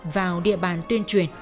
vào địa bàn tuyên truyền